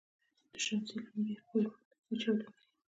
د شمسي لمبې قوي مقناطیسي چاودنې دي.